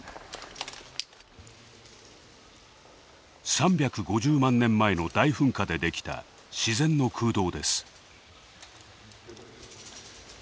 ３５０万年前の大噴火でできた自然の空洞です。